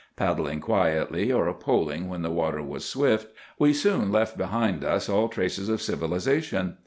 Paddling quietly, or poling when the water was swift, we soon left behind us all traces of civilization.